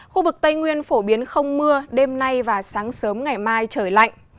khu vực tây nguyên phổ biến không mưa đêm nay và sáng sớm ngày mai trời lạnh